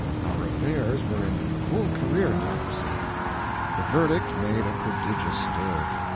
Our affairs were in full career now, you see. The verdict made a prodigious stir.